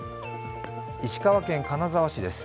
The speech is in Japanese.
石川県金沢市です。